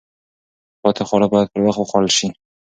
پاتې خواړه باید پر وخت وخوړل شي.